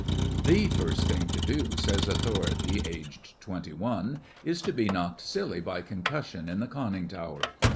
'The first thing to do,' says authority aged Twenty One, 'is to be knocked silly by concussion in the conning tower.